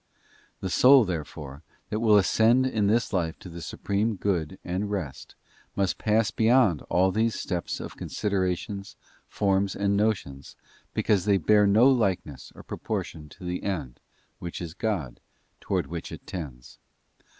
The soul, therefore, that will ascend in this life to the Supreme Good and Rest must pass beyond all these steps of considerations, forms, and notions, because they bear no likeness or proportion to the end, which is God, towards which it tends.